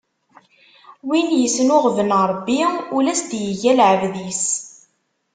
Win isnuɣben Ṛebbi, ula as-d-ig lɛebd-is.